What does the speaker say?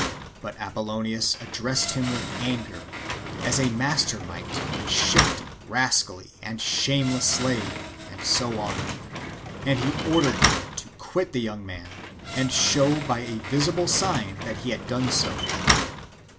But Apollonius addressed him with anger, as a master might a shifty, rascally, and shame less slave and so on, and he ordered him to quit the young man and show by a visible sign that he had done so.